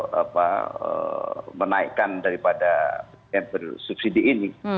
tidak baik baik saja untuk menaikkan daripada bbm subsidi ini